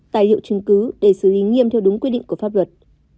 tài liệu chứng cứ để xử lý nghiêm theo đúng quy định của pháp luật